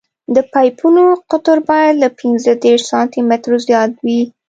د پایپونو قطر باید له پینځه دېرش سانتي مترو زیات وي